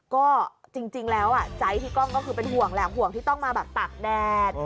ก็จริงแล้วใจพี่ก้องก็คือเป็นห่วงแหละห่วงที่ต้องมาแบบตากแดด